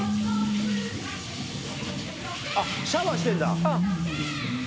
あっシャワーしてんだ。